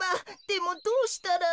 でもどうしたら。